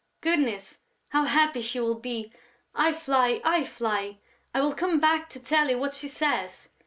Goodness, how happy she will be!... I fly, I fly!... I will come back to tell you what she says...."